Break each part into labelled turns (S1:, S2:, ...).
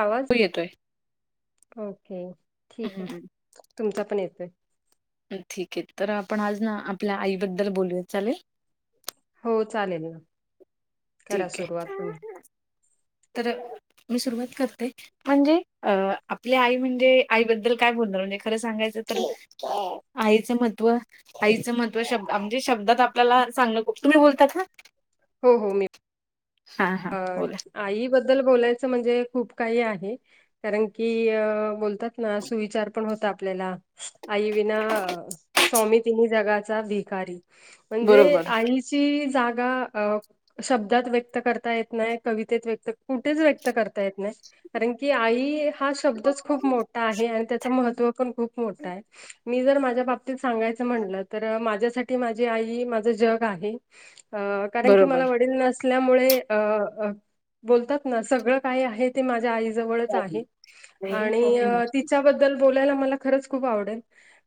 S1: आवाज.
S2: येतोय.
S1: ओके ठीक
S2: हं
S1: आहे‌.
S2: हं.
S1: तुमचा पण येतोय.
S2: ठीक आहे तर आपण आज ना आपल्या आईबद्दल बोलूया चालेल?
S1: हो चालेल ना. करा
S2: ठीक आहे.
S1: सुरुवात तुम्ही.
S2: तर, मी सुरुवात करते. म्हणजे अ आपली आई म्हणजे आईबद्दल काय बोलणार, म्हणजे खरं सांगायचं तर आईचं महत्त्व आईचं महत्व शब्द म्हणजे, शब्दात आपल्याला चांगलं तुम्ही बोलतात ना?
S1: हो हो मी
S2: हां
S1: अ
S2: बोला.
S1: आईबद्दल बोलायचं म्हणजे खूप काही आहे. कारण की बोलतात ना, सुविचार पण होता आपल्याला. आई विना स्वामी तिन्ही जगाचा भिकारी. म्हणजे
S2: बरोबर.
S1: आईची जागा अ शब्दात व्यक्त कर य कवितेत व्यक्त कुठेच व्यक्त करता येत नाही कारण की आई. हा शब्दच खूप मोठा आहे आणि त्याच महत्त्व पण खूप मोठं आहे. मी जर माझ्या बाबतीत सांगायचं म्हणलं, तर माझ्यासाठी माझी आई माझं जग आहे. अ कारण की
S2: बरोबर.
S1: मला वडील नसल्यामुळे. अ अ बोलतात ना सगळं काही आहेत. ते माझ्या आई जवळच आहे
S2: बरोबर.
S1: आणि अ तिच्याबद दल बोलायला मला खरंच खूप आवडेल.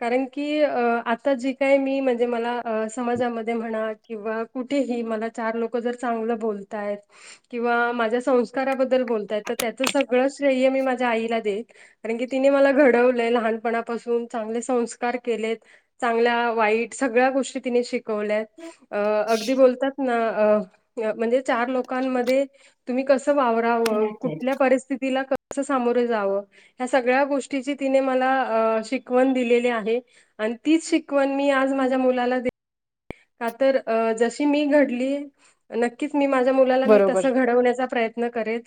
S1: कारण की अ आता जे काय मी म्हणजे मला समाजामध्ये म्हणा. किंवा कुठेही मला चार लोक जर चांगलं बोलतायेत. किंवा माझ्या संस्काराबद्दल बोलतायत, तर त्याचं सगळं श्रेय मी माझ्या आईला देईल. कारण की तिने मला घडवलंय, ‌लहानपणापासून चांगले संस्कार केलेत. चांगल्या वाईट सगळ्या गोष्टी तिने शिक वल्या अगदी बोलतात ना, म्हणजे चार लोकांमध्ये तुम्ही कसं वावरावं कुठल्या परिस्थितीला क कसं सामोरे जावं ह्या सगळ्या गोष्टीची तिने मला अ शिकवण दिलेली आहे. आणि तीच शिकवण मी आज माझ्या मुलाला दे का तर जशी मी घडली नक्कीच मी माझ्या मुलाला मी तस घडवण्याचा प्रयत्न करेन,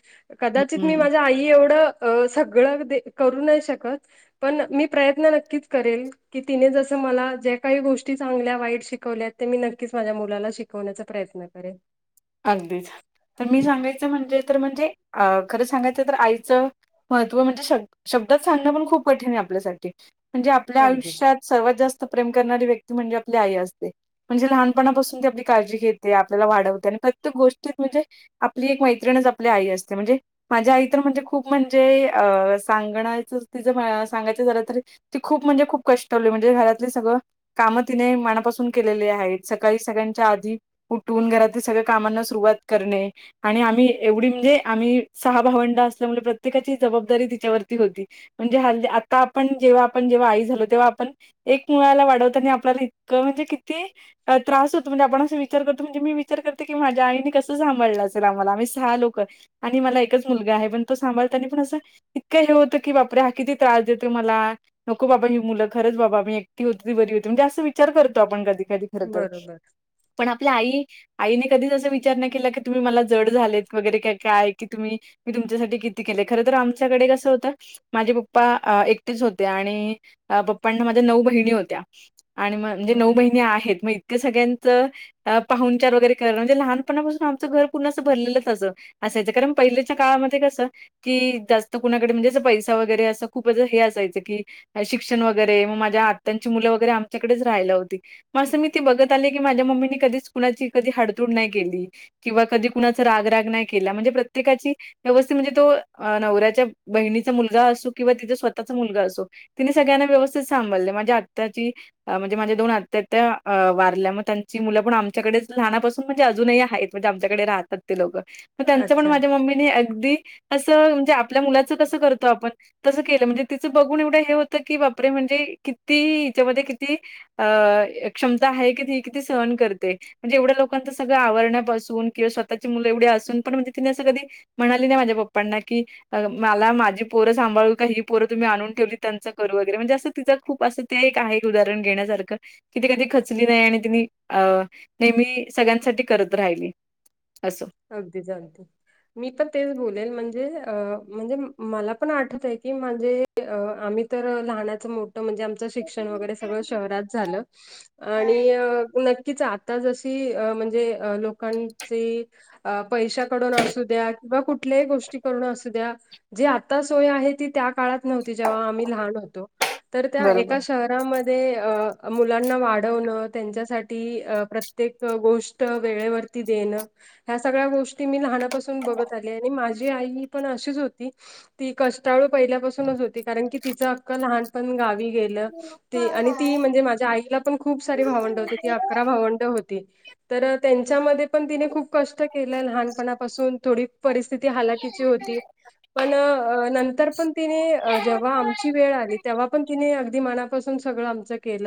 S2: हं.
S1: कदाचित मी
S2: हं.
S1: माझ्या आई ही एवढं सगळं करू नाही शकत पण मी प्रयत्न नक्कीच करेल. की तिने जसं मला ज्या काही गोष्टी चांगल्या वाईट शिकवल्या ते मी नक्कीच माझ्या मुलाला शिकवण्याचा प्रयत्न करेन.
S2: अगदीच तर मी सांगायचं म्हणजे तर म्हणजे अ खरं सांगायचं म्हणेज तर आईचं. महत्त्व म्हणजे शब् शब्दात सांगणं पण खूप कठीण आहे आपल्यासाठी म्हणजे आपल्या
S1: अगदीच.
S2: आयुष्यात सर्वात जास्त प्रेम करणारी व्यक्ती म्हणजे आपली आई असते. म्हणजे लहानपणापासून ती आपली काळजी घेते आपल्याला वाढवते आणि प्रत्येक गोष्टीत म्हणजे आपली एक मैत्रिणच आपली आई असते म्हणजे माझ्या आई तर म्हणजे खूप म्हणजे अ सांगण्याचं तिचं सांगायचं झालं तरी ती खूप म्हणजे खूप कष्टळु म्हणजे घरातल सगळं काम तिने मनापासून केलेली आहेत सकाळी सगळ्यांच्या आधी उठून घरातील सगळ कामांना सुरुवात करणे. आणि आम्ही एवढी म्हणजे आम्ही सहा भावंड असल्यामुळे प्रत्येकाची जबाबदारी तिच्यावरती होती. म्हणजे ह आता आपण जेव्हा आपण जेव्हा आई झालो तेव्हा आपण एक मुलाला वाढवताने आपल्याला इतकं म्हणजे किती त्रास होतो म्हणजे आपण असं विचार करतो म्हणजे मी विचार कर की माझ्या आईने कसं सांभाळ असेल आम्हाला आम्ही सहा लोक आणि मला एकच मुलगा आहे पण तो सांभाळताना पण असं इतकं हे होतं की बापरे हा किती त्रास देतो मला. नको बाबा ही मुलं खरच बाबा मी एकटी होती, ती बरी होती म्हणे असं विचार करतो आपण कधी कधी. खर तर
S1: बरोबर.
S2: पण आपली आई आईने कधीच असा विचार नाहीं केला की, तुम्ही मला जड झालेत वगैरे का काय की तुम्ही. मी तुमच्यासाठी किती केले खर तर आमच्याकडे कसं होतं माझे पप्पा एकटेच होते आणि पप्पांना माझ्या नऊ बहिणी होत्या. आणि मग म्हणजे नऊ
S1: अ,
S2: बहिनी आहेत मग इतकं सगळ्यांचं पाहून उपचार वगैरे करण म्हणजे लहानपणापासून आमचं घर पूर्णं असं भरलेलंच असं असायचं कारण पहिल्याच्या काळामध्ये कसं. कि जास्त कुणाकडे म्हणजे अस पैसा वगैरे असं खूप हे असायचं की शिक्षण वगैरे मग माझ्या आत्यांची मुलं वगैरे आमच्याकडेच राहिला होती मग असं मी ते बघत आले की माझ्या मम्मीनी कधी कुणाची कधी हाडतूड नाही केली. किंवा कधी कुणाच रागराग नाही केला म्हणजे प्रत्येकाची व्यवस्थित म्हणजे तो, नवऱ्याच्या बहिणीचा मुलगा असो किंवा तिचा स्वतःचा मुलगा असो. तिने सगळ्यांना व्यवस्थित सांभाळल माझ्या आत्या ची अ म्हणजे माझ्या दोन आत्या त्या वारल्या मग त्यांची मुलं पण आमच्याकडेच लहनापासून म्हणजे अजूनही आहेत म्हणजे आमच्याकडे राहतात ते लोकं मग त्यांचं पण
S1: अच्छा.
S2: माझ्या मम्मीने अगदी असं म्हणजे आपल्या मुलाचं कसं करतो आपण? तसं केलं म्हणजे तिचं बघून एवढं हे होतं की बापरे, म्हणजे किती हिच्यामध्ये किती. अ क्षमता आहे की ती किती सहन करते. म्हणजे एवढ्या लोकांचं सगळ आवरण्यापासून किंवा स्वःची मुल एवढे असून पण म्हणजे तिने असं कधी म्हणाली नाही माझ्या पप्पांना की. मला माझी पोरं सांभाळू का ही पोरं तुम्ही आणून ठेवली त्यांचं करु वगैरे म्हणजे असं तिंच खूप अस ते एक आहे उदाहरण घेण्यासारखं कि ती कधी खचली नाही आणि तिने अ नेहमी सगळ्यांसाठी करत राहिली अस.
S1: अगदीच अगदी. मी पण तेच बोलेल म्हणजे अ म्हणजे मला पण आठत आहे की माझे अ आम्ही तर लहानाचं मोठं म्हणजे आ च शिक्षण वगैरे सगळं शहरात झाल आणी अ तीच आता जशी अ म्हणजे अ लोकांची अ पैशाकडून असू द्या किंवा कुठ. कुठल्याही गोष्टी करण असु द्या जे आता सोय आहे ती त्या काळात नव्हती जेव्हा आम्ही लहान होतो. तर त्या एका
S2: बरोबर.
S1: शहरात. यामध्ये मुलांना वाढवण त्यांच्यासाठी प्रत्येक. गोष्ट वेळे वरती देणं. या सगळ्या गोष्टी मी लहानापासून बघत आले आणि माझी आईही पण अशीच होती. ती कष्टाळू पहिल्यापासूनच होती, कारण की तिचं अख्ख लहानपण गावी गे तीला आणि ती म्हणजे माझ्या आईला पण खूप सारे भावंड होते ती अकरा भावंड होती. तर तेच्यामध्ये पण तिने खूप. मोठं केलंय लहानपणापासून, थोडी परिस्थिती हलाकीची होती. पण नंतर पण तिने जेव्हा आमची वेळ. ती आली तेव्हा पण तीने अगदी मनापासून सगळ आमच केल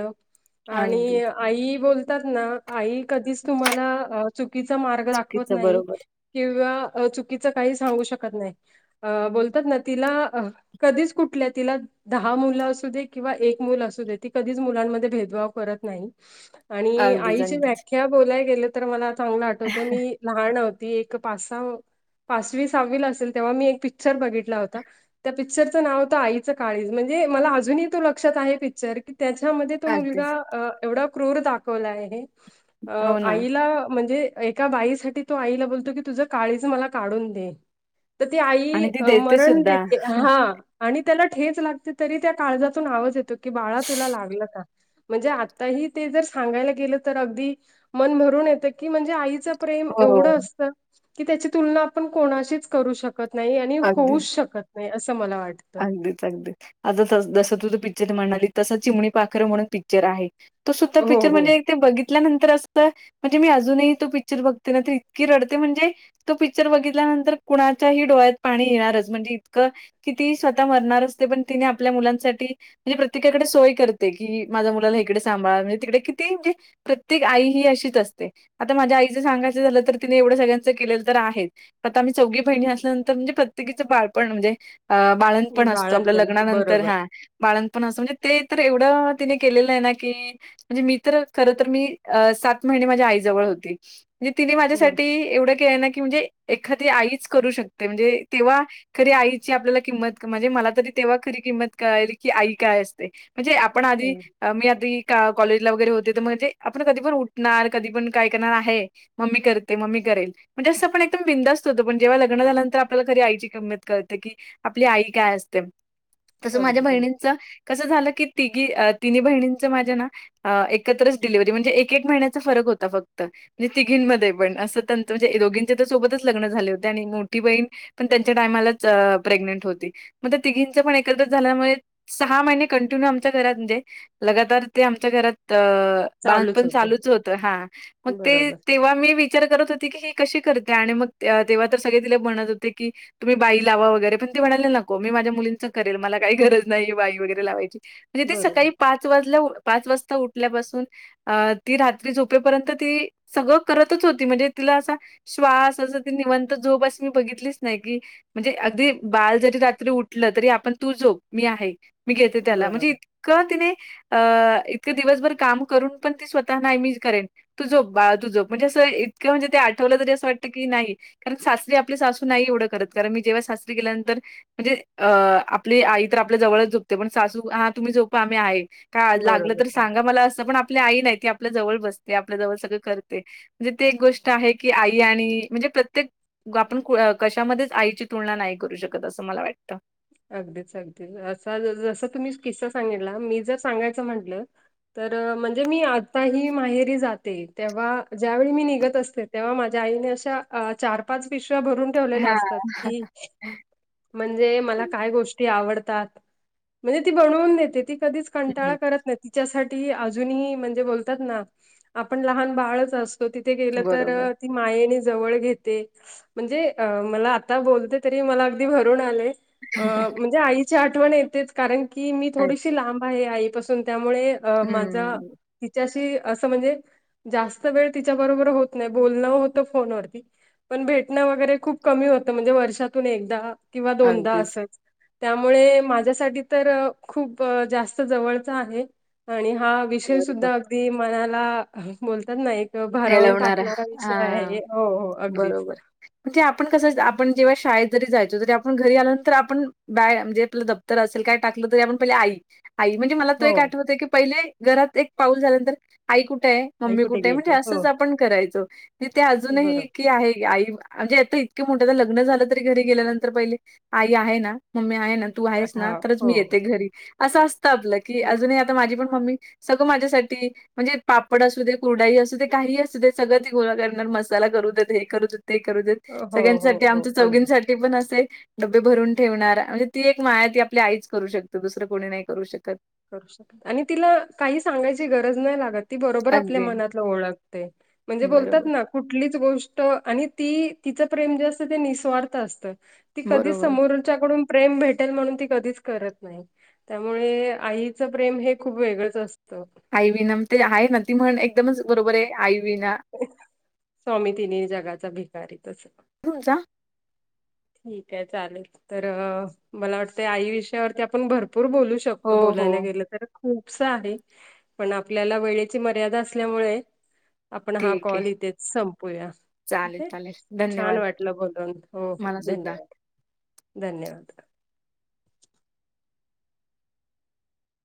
S1: आणि.
S2: अगदीच.
S1: आई बोलतात ना, आई कधीच तुम्हाला चुकीचा मार्ग दाखवत
S2: तिचं
S1: नाही.
S2: बरोबर.
S1: किंवा चुकीचं काही सांगू शकत नाही. अ बोलतात ना तिला अ कधीच कुठल्या तिला. दहा मुलं असू दे किंवा एक मुलं असू दे, ती कधीच मुलांमध्ये भेदभाव करत नाही. आणि
S2: अगदीच,
S1: आईची
S2: अगदीच.
S1: व्याख्या बोलाय गेले तर मला आता तर मी लहान होती एक पासा. पाचवी सहावी ला असेल तेव्हा मी एक पिक्चर बघितला होता. त्या पिक्चरचं नाव होत आईचं काळीज म्हणजे, मला अजूनही तो लक्षात आहे पिक्चर की. तेच्यामध्ये तो
S2: अगदीच.
S1: मुलगा एवढा क्रूर दाखवला आहे. अ
S2: हो ना.
S1: आईला म्हणजे, एका बाईसाठी तो आईला बोलतो, की तुझं काळीज मला काढून दे. तर ती आई
S2: आणि ती
S1: अ
S2: देते
S1: मरण
S2: सुद्धा.
S1: देते हा.. आणि त्याला ठेच लागते तरी त्या, काळजातून आवाज येतो की बाळा तुला लागलं का. म्हणजे आताही ते जर सांगायला गेलं, तर अगदी मन भरून येतं की म्हणजे. आईचं प्रेम
S2: हो,
S1: एवढं असतं की त्याची तुलना आपण कोणाशीच करू शक कत नाही आणि होऊच शकत नाही. असं मला वाटतं.
S2: डिचाक देते. आता जसं तूझं पिक्चर म्हणाली, तसं चिमणी पाखरू म्हणून पिक्चर आहे. तो सुद्धा
S1: हो,
S2: पिक्चर
S1: हो.
S2: म्हणजे ते बघितल्यानंतर असं म्हणजे मी, अजूनही तो पिचर बघते ना तर इतकी रडते म्हणजे. तो पिचर बघितल्यानंतर कुणाच्याही डोळ्यात पाणी येणारच म्हणजे इतकं. किती ही स्वतः मरणार असते पण तिने आपल्या मुलांसाठी म्हणजे प्रत्येकाकडे सोय कर तेकी माझ्या मुलाला इकडे सांभाळा म्हणजे तिकडे किती. प्रत्येक आई ही अशीच असते. आता माझ्या आईचं सांगायचं झालं तर तिने एवढं सगळ्यांचं केलेलं तर आहेच. आता आम्ही चौघी बहिणी असल्यानंतर म्हणजे प्रत्येकीचं बाळपण म्हणजे. अ बाळंतपण असतं आपल्या
S1: बाळंतीण
S2: लग्नानंतर
S1: बरोबर.
S2: हां बाळतपण असं म्हणजे ते तर एवढं तिने केलेलं आहे ना की म्हणजे मी तर खर तर मी सात महिने माझ्या आई जवळ होती. म्हणजे तिने
S1: बरं.
S2: माझ्यासाठी एवढं केलंय ना की म्हणजे. एखादी आईच करू शकते, म्हणजे तेव्हा खरी आई ची आपल्याला किंमत म्हणजे मला तरी तेव्हा खरी किंमत कळाली की आई काय असते. म्हणजे आपण आधी.
S1: हं.
S2: अ मी आधी कॉलेजला होते तर म्हणजे, आपण कधी पण उठणार कधी पण काय करणार आहे. मम्मी करते, मम्मी करेल. म्हणजे असं आपण एकदम बिंदास्त होतो. पण जेव्हा लग्न झाले नंतर आपल्याला खरी आईची किंमत कळते की. आपली आई काय असते. तसं माझ्या
S1: अगदी, अगदी.
S2: बहिणींच. कसं झालं की तिघी तिन् बहिणींचं माझ्या ना. अ एकत्रच डिलिव्हरी म्हणजे, एक एक महिन्याचा फरक होता फक्तं. म्हणजे तिघींमध्ये पण असं म्हणजे दोघींचे तर सोबतच लग्नं झाले होते आणि मोठी बहीण. पण त्यांच्या टायमालाच च प्रेग्नेंट होती. मग तिघीच पण एकत्र झाल्यामुळे सहा महिने कंटिन्यू आमच्या घरात म्हणजे. लगातार ते आमच्या घरात अ... बाळंतपण चालूच होतं, हा मग ते
S1: बरोबर,
S2: तेव्हा मी वि विचार करत होते की हे कशी करते आणि मग तेव्हा तर सगळे तिला म्हणत होते की तुम्ही बाई लावा वगैरे. पण ते म्हणाले नको मी माझ्या मुलींच करेल. मला काही गरज नाही बाई वगैरे लावायची, म्हणजे ते
S1: बरोबर,
S2: सकाळी पाच. तू वाजल्या पाच वाजता उठल्यापासून अ ती रात्री झोपेपर्यंत ती, सगळं करतच होती म्हणजे तिला असा. श्वास अस ती निवंत झोपस अशी मी, बघितलीच नाही की म्हणजे अगदी. बाल जरी रात्री उठलं, तरी आपण तू झोप मी आहे मी घेते त्याला म्हणजे
S1: बरोबर,
S2: का तिने अ इतके दिवसभर काम करून पण ती स्वतः नाय मी करेन. तू झोप बाळा तू झोप, म्हणजे असं इतकं म्हणजे ते आठवलं तरी असं वाटतं की नाही. कारण सासरी आपल्या सासू नाही एवढं करत. कारण मी जेव्हा सासरी गेल्यानंतर, म्हणजे अ आपली आई तर आपल्या जवळच झोपते, पण सासू हा तुम्ही झोपा मी आहे. का लागलं तर
S1: बरोबर.
S2: सांगा मला अस पण आपली आई नाही ती आपल्या जवळ बसते आपल्या जवळ सगळं करते. म्हणजे ते एक गोष्ट आहे की, आई आणि म्हणजे प्रत्येक. आपण कशामध्येच आईची तुलना नाही, करू शकत असं मला वाटतं.
S1: अगदीच अगदीच, असा जस तुम्ही किस्सा सांगितला मी जर सांगायचं म्हटलं. तर म्हणजे मी आता ही माहेरी जाते तेव्हा ज्यावेळी मी निघत असते. तेव्हा माझ्या आईने अशा, चार पाच पिशव्या भरून ठेवलेल्या
S2: हां.
S1: असतात की. म्हणजे मला काय गोष्टी आवडतात, म्हणजे ती बनवून देते ती कधीच.
S2: हं,
S1: कंटाळा
S2: हं.
S1: करत नाही. तिच्यासाठी अजूनही म्हणजे बोलतात ना, आपण लहान बाळच अस तो तिथे गेलं तर.
S2: बरोबर.
S1: मायेने जवळ घेते म्हणजे, मला आता बोलते तरी मला अगदी. भरून आलय, म्हणजे आईची आठवण येतेच कारण की मी थोडीशी
S2: अगदी.
S1: लांब आहे आई. पासून त्यामुळे माझा.
S2: हं,
S1: तिच्याशी असं म्हणजे, जास्त वेळ तिच्या बरोबर होत नाही बोलणं होतं फोनवरती. पण भेटणं वगैरे खूप कमी होतं, म्हणजे वर्षातून एकदा किंवा दोनदा
S2: अगदीच.
S1: असंच. त्यामुळे माझ्यासाठी तर खूप, जास्तं जवळच आहे. आणि हा विषय
S2: बरोबर.
S1: सुद्धा अगदी मनाला बोलतात ना एक. भारावून
S2: हेलवणारा.
S1: टाकणारा क्वेशचन आहे
S2: हां,
S1: हो हो अगदीच.
S2: बरोबर. म्हणजे आपण कसं आपण जेव्हा शाळेत जरी जायचो. तरी आपण घरी आल्यानंतर आपण बॅग म्हणजे आपल दप्त तर असेल काय टाकलं तरी आपण पहिले आई. आई म्हणजे मला तो
S1: हो
S2: एक आठवत आहे की, पहिले घरात एक पाऊल झाल्यानंतर, आई कुठे आहे
S1: आई
S2: मम्मी कुठे आहे म्हणजे
S1: गेले
S2: असं.
S1: हो
S2: असंच आपण करायचो, ते अजूनही
S1: बरोबर
S2: की आहे आई. म्हणजे आता इतके मोठ्या लग्न झालं, तरी घरी गेल्यानंतर पहिले आई आहे ना मम्मी आहे ना. तू आहेस ना
S1: हा
S2: तरच
S1: हो.
S2: मी येते घरी, असं असतं आपलं की
S1: हो
S2: अजूनही. माझी पण मम्मी सगळं माझ्यासाठी म्हणजे, पापड असू दे कुरुर्डाई असू दे काही असू. असू दे सगळ गोळा करणार मसाला करू देत हे करू देत ते करू देत,
S1: हो
S2: सगळ्यांसाठी
S1: हो
S2: आमच्या
S1: अगदी.
S2: चौघींसाठी. ते पण असं आहे. डबे भरून ठेवणार, म्हणजे ती एक माया ती आपली आईच करू शकत दुसरं कोणी नाही करू शकत.
S1: करू शकत आणि तिला काही सांगायची गरज नाही लागत. ती बरोबर आपल्या
S2: अगदी
S1: मनातला ओळखते, म्हणजे बोलतात
S2: बरोबर,
S1: ना. कुठलीच गोष्ट आणि ती तिचं प्रेम जे असतं ते निःस्वार्थ असत. ती कधीच
S2: बरोबर.
S1: समोरच्याकडून प्रेम भेटेल म्हणून, ती कधीच करत नाही त्यामुळें. आईचं प्रेम हे खूप वेगळंच असतं.
S2: आई विना ते आहे ना, ती म्हण एकदमच बरोबर आहे आई विना
S1: स्वामी तिन्ही जगाचा भिकारी तसं.
S2: हम्म जा.
S1: ठीक आहे. चालेल तर मला वाटतंय, आई विषयावरती आपण भर भरपूर बोलू
S2: हो,
S1: शकतो, बोलायला
S2: हो.
S1: गेलं तर. खूपस आहे, पण आपल्याला वेळेची मर्यादा असल्यामुळे. आपण हा
S2: ठीक आहे.
S1: कॉल इथेच संपूया. ठीक
S2: चालेल,
S1: आहे
S2: चालेल.
S1: छान
S2: धन्यवाद.
S1: वाटलं बोलून हो हो
S2: मला सुद्धा.
S1: धन्यवाद, धन्यवाद.